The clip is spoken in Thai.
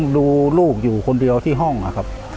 ดูลูกอยู่คนเดียวที่ห้องนะครับ